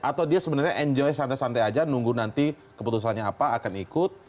atau dia sebenarnya enjoy santai santai saja nunggu nanti keputusannya apa akan ikut